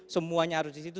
semuanya harus di situ